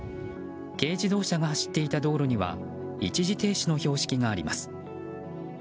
軽自動車が走っていた道路には一時停止の標識があります。